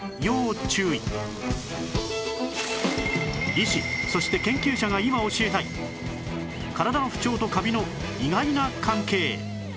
医師そして研究者が今教えたい体の不調とカビの意外な関係